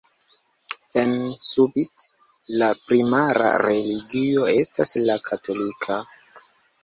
En Subic la primara religio estas la katolika.